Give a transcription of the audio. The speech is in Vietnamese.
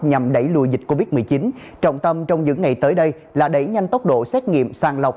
nhằm đẩy lùi dịch covid một mươi chín trọng tâm trong những ngày tới đây là đẩy nhanh tốc độ xét nghiệm sàng lọc